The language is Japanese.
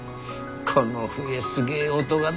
この笛すげえ音がしたな。